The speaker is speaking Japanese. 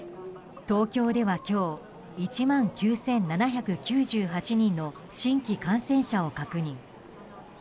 東京では今日、１万９７９８人の新規感染者を確認。